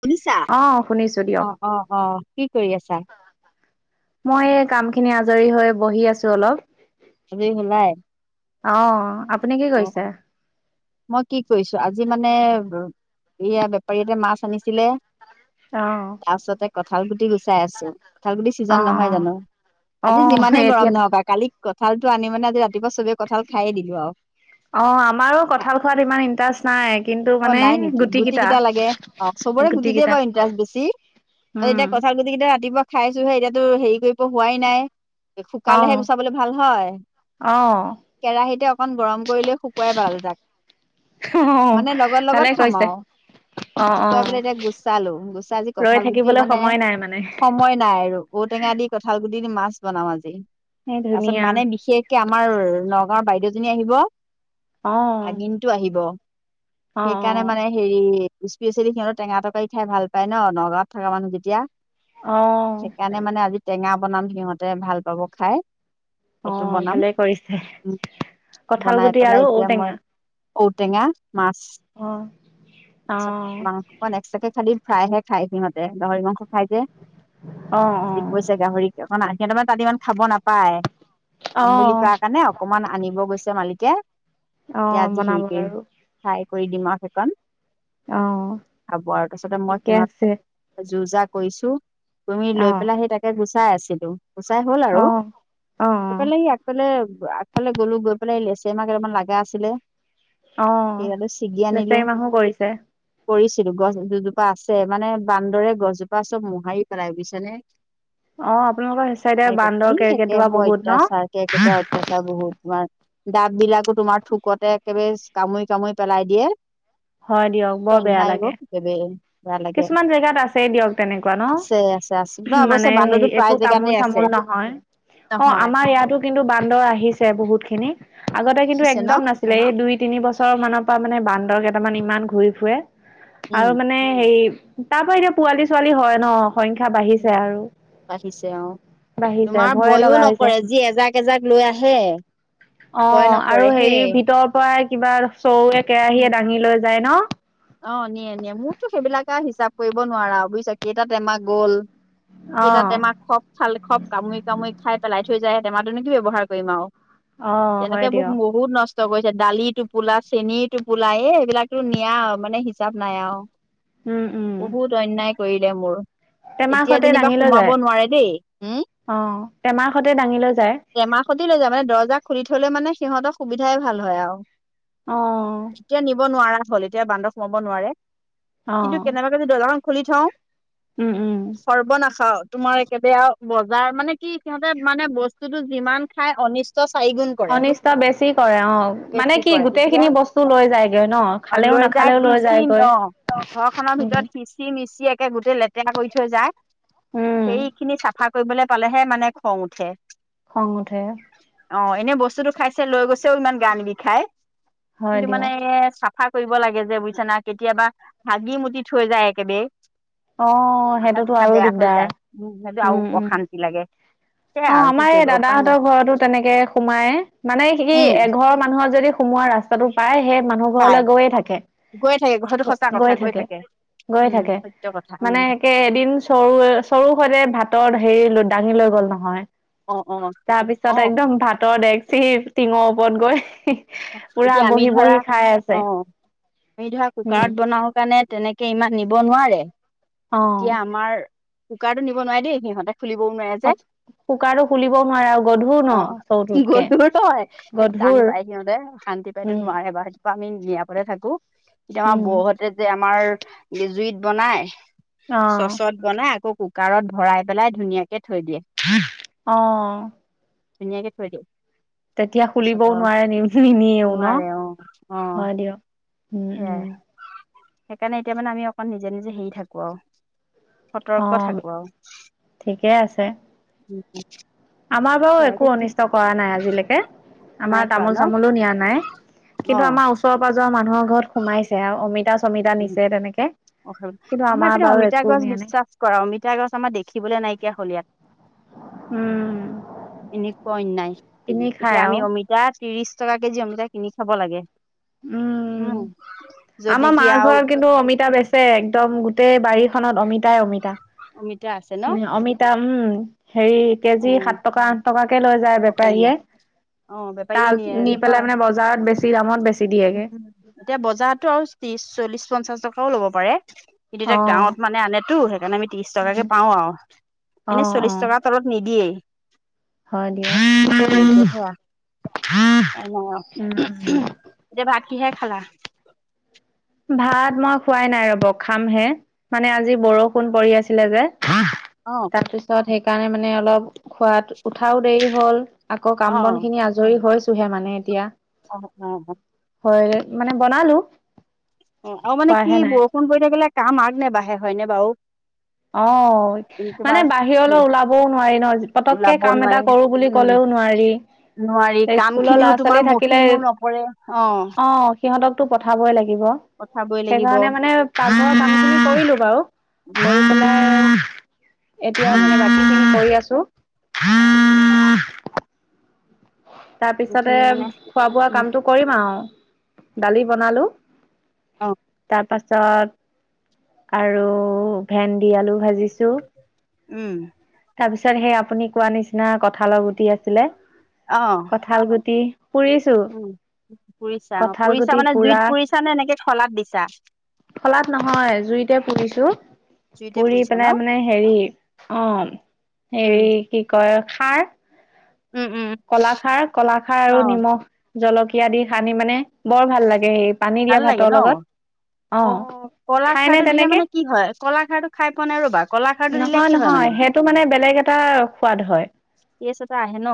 শুনিছা? অ শুনিছো অ! দিয়ক অ! অ! কি কৰি আছা? মই এইয়ে কামখিনি আজৰি হৈ বহি আছোঁ অলপ। আজৰি হ'লাই? অহ, আপ অ' মই কি কৰিছোঁ আজি মানে এইয়া বেপাৰীটোৱে মাছ আনিছিলে। অ'হ! কঠাল গুটি গোচা চাই আছোঁ, কঠালগুটি অ চিজন নহয় জানোঁ। অ অ আজি যিমানে গৰম এতিয়া নহওক কালি কঁঠালটো আনি মানে আজি ৰাতিপুৱা চবেই কঁঠাল খায়ে দিলোঁ আৰু। অ'হ, আমাৰো কঁঠাল খোৱাত ইমান ইন্টাৰেষ্ট নাই কিন্তু অ মানে নাই নেকি গুটি কেইটা, লাগে অ চবৰে গুট গুটিতে কেইটা, বাৰু ইণ্টাৰেষ্ট বেছি উম! তোৰ হেৰি কৰিব হোৱাই নাই। অ শুকালেহে গুচাবলৈ ভাল হয়। অ কেৰাহিতে অকন গৰম, কৰি লৈ শুকুৱাই পেলালে তাক, অ মানে লগৰ ভালে লগত খাম কৈছে আৰু। অ অ শুকুৱাই পেলাই এতিয়া গুচালোঁ, গুচাই যি ৰৈ কঁঠাল গুটি থাকিবলৈ মানে সময় নাই মানে সময় নাই আৰু ঔ টেঙা দি কঁঠাল গুটি মানে সময় নাই আৰু মাছ বনাওঁ আজি এই তাৰপাছত ধুনীয়া মানে বিশেষকে আমাৰ নগাঁওৰ বাইদেউ এজনী আহিব অ ভাগিনটো আহিব। অ ‌ সেইকাৰণে মানে হেৰি স্পেচিয়েলি সিহঁতে টেঙা তটকাৰী খাই ভাল পায় ন। নগাঁৱত থকা মানুহ তেতিয়া অহ বনাম সিহঁতে ভাল পাব খাই। সেইটো অ' বনাম ভালে কৰিছে, ক'ত বনাই পেলাই এতিয়া মই ঔ-টেঙা মাছ, অ তাৰপিছত অ মাংস‌ অকণমান খালি ফ্ৰাইহে খায়, সিহঁতে গাহৰি মাংস খাই যে, ই অ', কৈছে গাহৰিকে অকণ আন। সিহঁতৰ মানে তাত ইমান খাব নাপায় অ', পাম বুলি অ', কোৱা কাৰণে অকমান আনিব গৈছে। মালিকে এতিয়া অঁ আজি বনাব হেৰি কৰিম বাৰু ফ্ৰাই কৰি দিম সেইকণ হ'ব আৰু তাপিছতে মই ঠিকে আছে সিহঁত যুজাক কৈছো তুমি লৈ অ', পেলাই সেই তাকে গুচি চাই আছিলো। গুচাঁই হ'ল আৰু অ', অ', অ', সেইফালে ই আগফালে আগফালে গলো গৈ পেলাই লেচেমা কেইটামান লাগা আছিলে। অঁ সেইয়ালো ছিগি আনিলো লেচাৰী মাহো কৰিছে। কৰিছিলো গছ দুজোপা আছে মানে বান্দৰে গছজোপা চব মোহাৰি পেলাই বুয়িছা নে। অ', আপোনালোকৰ সেই চাইডে বান্দৰ এই কেৰ্কেটুৱা একেবোৰ বহুত ন অত্যাচাৰকে এখেতৰ অত্যাচাৰ বহুত তোমাৰ। ডাপ বিলাকো তোমাৰ থুকতে একেবাৰে কামুৰি কামুৰি পেলাই দিয়ে। হয় দিয়ক বৰ বেয়া চন্যাইও লাগে। কেতিয়াবা বেয়া লাগে কিছুমান জেগাত আছেই দিয়ক তেনেকুৱা ন আছে আছে আছে ন উমহ অৱশ্যে মানে হে বান্দৰটো একো প্ৰায় তামোল জেগাতে আছে চামোল নহয়, অঁ নহয় আমাৰ ইয়াতো কিন্তু বান্দৰ আহিছে বহুত খিনি আগতে কিন্তু বাঢ়িছে ন একদম নাছিলে এই দুই তিনি বছৰ মানৰ পা মানে বান্দৰ কেইটামান ইমান ঘূৰি ফুৰে। আৰু উম মানে এই তাৰ পৰা এতিয়া পোৱালি ছোৱালী হয় ন সংখ্যা বাঢ়িছে আৰু তেওঁ বাঢ়িছে তোমাৰ ভয়ে ভয়ওঁ লগা নকৰে যি এজাক। এজাক লৈ আহে। ভয় অঁ আৰু নকৰে হেৰি হেই ভিতৰৰ পৰা। কিবা। চৌৱে কেৰাহীয়ে দাঙি লৈ যায় ন অঁ নিয়ে নিয়ে মোৰতো সেইবিলাক আৱ হিচাপ কৰিব নোৱাৰা বুয়িছা কেইটা টেমা গ'ল অ কেইটা টেমা খপ খালে খপ কামুৰি কামুৰি খাই পেলাই থৈ যায়। টেমাটোনো কি ব্যৱহাৰ কৰিম আৱ অ তেনেকে হয় মোক দিয়ক বহুত নষ্ট নষ্ট কৰিছে দালি টোপোলা চেনী টোপোলা এ এইবিলাকতো নিয়া মানে হিচাপ নাই আৱ। উম উম। কৰিলে মোৰ। টেমাৰ এতিয়া সতে যেনিবা দাঙি লৈ সোমাব যায় নোৱাৰে দেই, হে অ টেমাৰ সতে দাঙি লৈ যায় টেমাহ সৈতি লৈ যায় মানে দৰ্জা খুলি থ'লে মানে। সিহঁতৰ সুবিধাই ভাল হয় আৰু। অ এতিয়া নিব নোৱাৰা। হল এতিয়া বানদ। সোমাব নোৱাৰে। অ কিন্তু কেনেবাকে যদি দৰ্জা খ। খুলি থওঁ। উম উম সৰ্বনাশত তোমাৰ একেবাৰে আৰু বজাৰ মানে কি সিহঁতে মানে বস্তুতটো যিমান খাই অনিষ্ট। চাৰিগুণ কৰে অনিষ্ট বেছি কৰে অ মানে বেছি কি কৰে গোটেই তেতিয়া খিনি বস্তু লৈ যায়গৈ ন খালেও নাখালেও। লৈ সিঁচিম যায়গৈ অ ঘৰখনৰ উম ভিতৰত পিচি মিচি এক। কে গোটেই লেতেৰা কৰি থৈ যায় উম সেই খিনি চাফা। কৰিবলৈ পালেহে মানে খং উঠে। খং উঠে। অ এনে বস্তুতটো খাইছে লৈ গৈছেও ইমান গান বিষাই। হয় কিন্তু মানে দিয়ক এ চ। সা কৰিব লাগে যে বু। চেনা কেতিয়াবা ভাগি মুতি থৈ যায় একেবে। অ মাথা সেইটোতো চাথা আৰু বেয়া হৈ দিগদাৰ যায় আৰু উম উম অশান্তি লাগে। সেয়াই অ আৰু কি আমাৰ এই কৰিবা উপায় নাই দাদাহঁতৰ ঘৰতো তেনেকে সোমায় মানে স উম এঘৰ মানুহৰ যদি সোমোৱা ৰাস্তাটো পায়হে। মানুহ পাই ঘৰলৈ গৈয়ে থাকে। গৈ থাকে সেইটো সঁচা কথা গৈ থাকে গৈ উম থাকে সত্য কথা উম মানে সে এদিন চৰু চৰু সতে ভাতৰ হেৰি। সে ডাঙি লৈ গল না। হয়। অ অ তাৰপিছত অ একদম ভাতৰ ডে। চি টিঙ ওপৰত গৈ। পুৰা এতিয়া আমি বহি ধৰা বহি খাই আছে অ আমি ধৰা উম কুকাৰত বনাওঁ কাৰণে। তেনেকে ইমান নিব নোৱাৰে। অ তিয়া আমাৰ। কুকাৰতো নিব নোৱাই দেই সিহঁতে খুলিবও নোৱাৰে যে অ কুকাৰটো খুলিব নোৱাৰে আৰু গধুৰ ন অ' চৌটোতকে গ'লো হয় সেইটো টান গধুৰ পায় সিহঁতে শান্তি পাইতো উম নোৱাৰে বা আমি নিয়া পতে থাকো। এতিয়া আমাৰ উম বৌহতে যে আমাৰ জুইত বনাই অ চচত বনাই আকৌ কুকাৰত ভৰাই পেলাই ধুনীয়াকে থৈ দিয়ে অ ধুনীয়াকে থৈ দিয়ে তেতিয়া তাৰপাছত খুলিবও আৰু নোৱাৰে নিও নিনিয়েও ন নোৱাৰে অ অ হয় দিয়ক উম উম সেইকাণে এতিয়া মানে আমি অকমান নিজে নিজে হেই থাকো আও অ ঠিকেই আছে উম আমাৰ বাও সেয়াই একো এতিয়া ঠিক অনিষ্ট কৰা নাই আজিলেকে নাই আমাৰ কোৱা তামোল ন চামোলো নিয়া নাই অ কিন্তু আমাৰ ওচৰ পাজৰ মানুহৰ ঘৰত সোমাইছে আও অমিতাচোৰ চমিতা উম নিছে তেনেকে অ কিন্তু আমাৰ আমাৰতে বাৰু অমিতা একো গছ নিয়া নাই বিশ্বাস কৰা অমিতা গছ আমাৰ দেখিবলৈ নাইকিয়া উম হলিয়াত এনেকুৱা অন্যাই কিনি খাই এতিয়া আৰু আমি অমিতাত ত্ৰিৰিশ টকা কেজি অমিতা কিনি খাব লাগে হম উম য'ত আমাৰ নেকি মাৰ আৰু ঘৰত কিন্তু অমিতা বেচ চে একদম গোটেই বাৰীখনত অমিতা অমিতাই অমিতা আছে ন অমিতাই এ অমিতাই উম হেৰি কেজি সাত টকা আঠ টকাকে লৈ যায় অ বেপাৰীয়ে হেৰিয়া অ বেপাৰীয়ে তাল নি পেলাই মানে বজাৰত বেছি দামত বেচে উম এতিয়া বজাতটো আৰু ত্ৰিশ চল্লিশ পঞ্চাশ টকা এশও ল'ব পাৰে কিন্তু অ। এতিয়া গাঁৱত মানে আনেতো সেইকাণে আমি ত্ৰিশ টকাকে পাও আও অ এনেই অ চল্লিশ টকা তলত নিদিয়েই হয় দিয়া। উম উম তেওঁলোকে [unintelligible] হোৱা পাই ন এতি বাকী হে খালা ভাত মই খোৱাই নাই ৰব খামহে মানে আজি বৰষুণ পৰি আছিলে যে আহ অ তাৰপিছত সেই সেইকাৰণে মানে অলপ খোৱাত উঠাও দেৰি হ'ল আকৌ কাম বন খিনি আজৰি হৈ হে মানে এতিয়া উম উম উম। হয় মানে বনালো। অ আৰু মানে কি খোৱাহে নাই। বৰষুণ পৰি থাকিলে কাম আগ নে বাঢ়ে হয়নে বাৰু? অ, মানে তোমাৰ বাহিৰলৈ ওলাবও নোৱাৰি ন পতককে ওলাব কাম এটা নোৱাৰি কৰো বুলি উম ক'লেও নোৱাৰি। নোৱাৰি কাম স্কুলৰ ল'ৰা খিনিও ছোৱালী তোমাৰ মঠি থাকিলে, মোৰ নপৰে অ সিহঁতক পঠাবই লাগে। কিব, পঠাবই লাগিব সেইকাৰনে মানে কা মই কামখিনি কৰিলো বাৰু। উম। কৰি পেলাই এতিয়া উম মানে বাকীখিনি কৰি আছো। উম। তাৰপিছতে সেইখিনি মানে খোৱা বোৱা উম কামটো কৰিম আৰু। দালি বনালো। অ তাৰ পাছ চত আৰু ভেন দি আলু ভাজিছো। উম। তাৰপিছত সেই আপুনি কোৱা নিচিনা কঠালৰ গুটি আছিলে। অ কঠাল গুটি পুৰিছো, উম পুৰিছা অ কঠাল পুৰিছা গুটি মানে জুইত পুৰা পুৰিছা নে এনেকে খলাত দিছা ফলাত নহয় জুইতে পুৰিছো। জুইতে পুৰি পুৰিছা পেলাই ন মানে হেৰি অ উম হেৰি কি কয় খাৰ উম উম কলাখাৰ -কলাখাৰ অ আৰু নিমখ জলকীয়া দি সানি মানে বৰ ভাল লাগে সেই পানী ভাল দিয়া লাগে ভাতৰ ন, লগত অ খাই নে কলাখাৰটো দিলে তেনেকে মানে কি হয় কলাখাৰটো খাই পোৱা নাই ৰ'বা, কলাখাৰটো দিলে নহয় কি হয় নহয় মানে? সেইটো মানে বেলেগ এটা সোৱাদ হয় গেছ এটা আহে ন।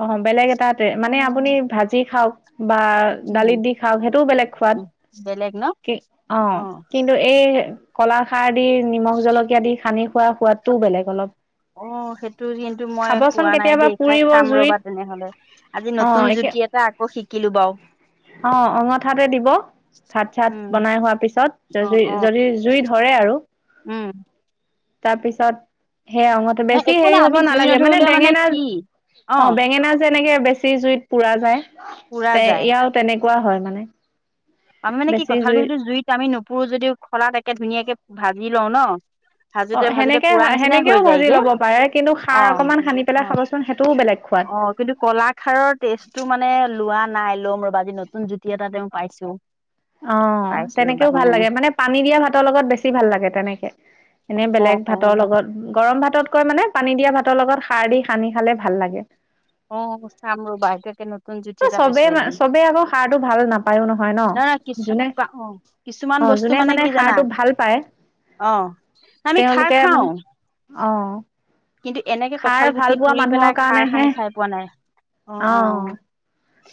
অ বেলেগ এটা অ মানে আপুনি ভাজি খাও। বা উম দালিত দি খাওঁ সেইটোও বেলেগ সোৱাদ, বেলেগ ন কি অ কিন্তু এই কলাখাৰ দি নিমখ, জলকীয়া দি খান্দি খোৱা সোৱাদটোও বেলেগ অলপ, অ সেইটো কিন্তু মই খাবচোন পোৱা নাই কেতিয়াবা দেই খাই পুৰিব খাম ৰবা জুইত, তেনেহলে আজি অ নতুন একে, জুতি এটা আকৌ শিকিলো বাৰু অ অঙঠাতে দিব, ভাত চাত উম বনাই হোৱাৰ পিছত যদি যদি জুই ধৰে আৰু। উম। তাৰপিছত সে অঙতে নহ বেছি একো হেৰি নাই হ'ব আমি জুই নালাগে, মানে নধৰিলেও বেঙেনা কি অ বেঙেনা যে। তেনেকে বেছি জুইত পুৰা যায়। পুৰা তে যায় ইয়াও তেনেকে। কোৱা হয় মানে। আমি মান কি বেছি জুই কথালগুৰিটো জুইত আমি নুপু পোৰ যদি খলা তাকে ধুনীয়াকে ভাজি লওঁ ন। অ ভাজোতে ভাজোতে সেনেকে পুৰা নিচিনাই হৈ সেনেকেও ভাজি যায়গে। ল'ব পাৰে কিন্তু অ খাৰ অকমান সানি পেলাই অ খাবচোন সেইটোও বেলেগ সোৱাদ অ কিন্তু কলা খাৰৰ টেষ্টটো মানে লোৱা নাই। লম ৰবা আজি নতুন জুতি এটা তেওঁ পাইছো। অ পাইছো ৰ'বা তেনেকেও ভাল লাগে মানে পানী দিয়া ভাতৰ লগত বেছি ভাল লাগে তেনেকে, এনে অ বেলেগ অ ভাতৰ অ লগত গৰম ভাততকৈ মানে পানী। দিয়া ভাতৰ লগত সাৰ দি সানি খালে ভাল লাগে। অ চাম ৰ'বা এতিয়া কে ন। চবেই ম চবেই আকৌ সাৰটো ভাল নাপায়ও নহয় ন, নহয় কিছু যোনে অ', কিছুমান অ বস্তু যোনে মানে কি জানা সাৰটো ভাল পায় অ', আমি খাৰ তেওঁলোকে খাওঁ মানে অ। কিন্তু এনেকে খাৰ কঁঠাল ভাল গুটি পোৱা পুৰি মানুহৰ পেলাই খাৰ কাৰণেহে সানি খাই পোৱা নাই। অ,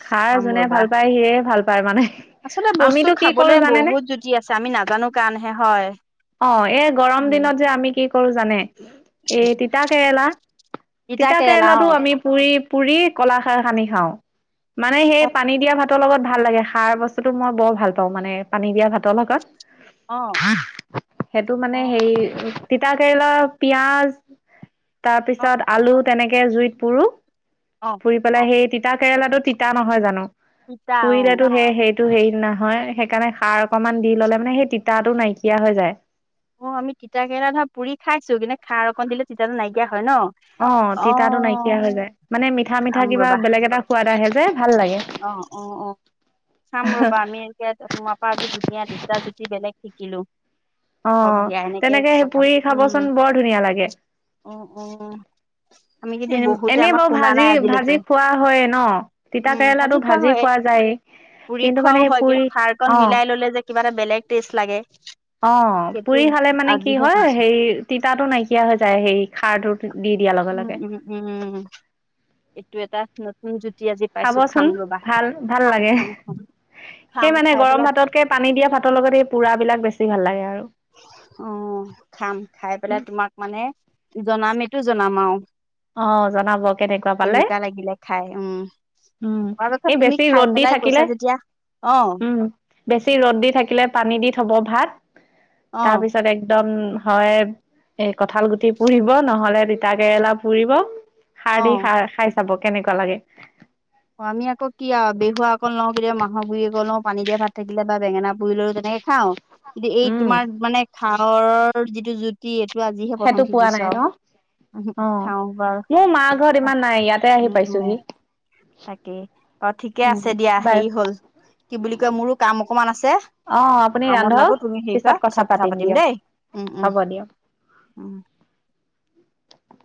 খাৰ খাম যোনে ৰ'বা ভাল পায় সিয়েই ভাল পায় মানে আচলতে বস্তু আমিতো কি খাবলে কৰো জানেনে, বহুত জুতি আছে আমি নাজানো কাৰণহে হয় অ এই গৰম উম, দিনত যে আমি কি। কৰো জানে! এই তিতা কেৰেলা, তিতা কেৰেলা কেৰেলাতো অ', আমি পুৰি। পুুৰীত। কলাখাৰ সানি খাওঁ মানে সেই অ', পানী দিয়া ভাত। ভাতৰ লগত ভাল লাগে সাৰ বস্তুতটো মই বৰ ভাল পাওঁ মানে পানী দিয়া ভাতৰ লগত। অ', সেইটো মানে অ', হেই তিতাকেৰেলা, পিয়াজ। তাৰপিছত আলু। তেনেকে জুইত পুৰো। অ', পুৰি পেলাই সেই। তিতা কেৰেলাতো তিতা নহয় জানো। তিতা অ', পুৰিলেতো সে সেই। টো হেৰি নহয় সেইকাৰণে সাৰ অকনমান দি ল'লে মানে সেই তিতাটো নাইকিয়া হৈ যায়। অ আমি তিতাক কেৰা ধৰা পুৰি খাইছো কিনে খাৰ অকণ দিলে তিতাটো নাইকিয়া হয়। হয় ন, অ তিতাটো নাইকিয়া হৈ যায় মানে মিঠা মিঠা খাম কিবা ৰবা, বেলেগ এটা সোৱাদ আহে যে ভাল লাগে। অ অ অ চাম ৰবা আমি এতিয়া তোমাৰ পৰা আজি দুদীয়া দুটা জুতি বেলেগ। শিকিলো। অ হওক দিয়া এনেকে তেনেকে সেই কথা পুৰি উম খাবচোন বৰ ধুনীয়া লাগে। উম উম আমি কিন্তু এনে বহুতে এনেই আমাক বাৰু শুনা নাই ভাজি আজিলৈকে ভাজি খোৱা হয় ন, তিতা কেৰেলাটো ভাজি খোৱা যায় পুৰি কিন্তু খোৱাও মানে হয় কিন্তু পুৰি খাৰ কন অ মিলাই ললে যে কিবা এটা বেলেগ টেষ্ট লাগে অ সেইটো পুৰি খালে মানে কি আজিহে হয় শুনিছো হেই তিতাটো নাইকিয়া হৈ যায় হেৰি খাৰটো। দি দিয়াৰ লগে উম, লগে উম, উম, উম, এইটো এটা ন। হুমজুত। খাবচোন ভাল ভাল লাগে খাম খাম সেই খাম মানে খাই গৰম পেলাই ভাততকে পানী দিয়া ভাত। লগত পুৰাবলাক বেছি ভাল লাগে আৰু। অ খাম খাই পেলাই তোমাক মানে জনামে। টো জনাম আও। অ জনাব কেনেকুৱা পালে লাগিলে খাই উম উম খোৱাৰ কথা এই তুমি বেছি খাই ৰ'দ দি পেলাই কৈছা থাকিলে যেতিয়া অ উম বেছি ৰ'দ দি থাকিলে পানী দি থব ভাত। অ তাৰ পিছত একদম। হয় এ কঁঠাল গুটি পুহিব নহলে তিতা কেৰেলা। পৰিব। অ শাৰী খা খাইছ। চাব কেনেকুৱা লাগে। অ আমি আকৌ কি আৰু বহুহোৱা অক লওঁ কেতিয়াবা মাহৰ গুৰি অককল লওঁ পানী দিয়া ভাত থাকিলে বা বেঙেনা। পৰিলৈ তেনেকে খাওঁ কিন্তু এই উম তোমাৰ মানে খা। ঘৰৰ যিটো জুতি। আজিহে প্ৰথম সেইটো পোৱা নাই শিকিছো ন আৰু অ খাওঁ বাৰু মোৰ মা ঘৰত ইমান নাই ইয়াতে আহি উম উম পাইছোহি। তাকেই অ ঠিকে উম আছে দিয়া বাৰু হেৰি হল কি বুলি কয় মোৰো কাম। অকমান আছে। অ আপুনি কামত ৰান্ধক নাকো তুমি হেৰি কৰা পিছত কথা পাতিম দিয়ক দেই উম, উম, হ'ব দিয়ক উম।